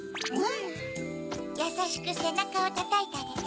やさしくせなかをたたいてあげて。